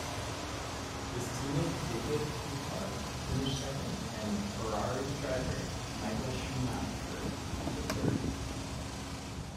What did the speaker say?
His teammate David Coulthard finished second and Ferrari driver Michael Schumacher took third.